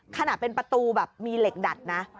ขนาดเป็นประตูแบบมีเหล็กดัดนะ